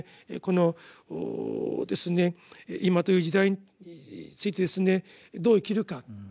この今という時代についてですねどう生きるか。